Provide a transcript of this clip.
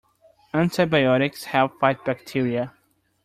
Antibiotics help fight bacteria.